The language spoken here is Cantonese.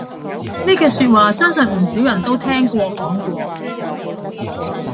呢句說話相信唔少人都會聽過講過